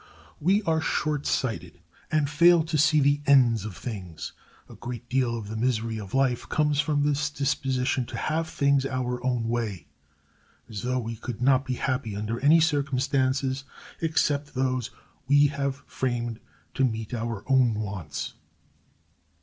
We are shortsighted, and fail to see the ends of things. A great deal of the misery of life comes from this disposition to have things our own way, as though we could not be happy under any circumstances except those we have framed to meet our own wants.